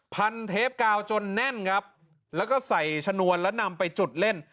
เทปกาวจนแน่นครับแล้วก็ใส่ชนวนแล้วนำไปจุดเล่น